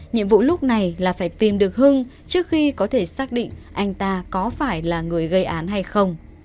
nhiệm vụ lúc này là phải tìm được hưng trước khi có thể xác định anh ta có phải là người gây án hay không